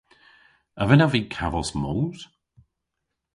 A vynnav vy kavos moos?